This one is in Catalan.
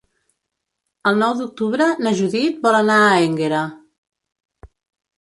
El nou d'octubre na Judit vol anar a Énguera.